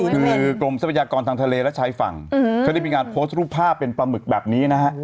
คือกรมทรัพยากรทางทะเลและชายฝั่งเขาได้มีการโพสต์รูปภาพเป็นปลาหมึกแบบนี้นะฮะ